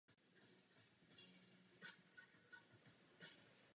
Jim Johansson.